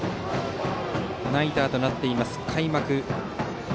ナイターとなっています。